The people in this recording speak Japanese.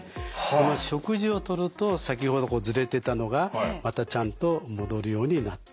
この食事をとると先ほどズレてたのがまたちゃんと戻るようになってくると。